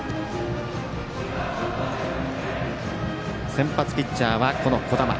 先発ピッチャーは小玉。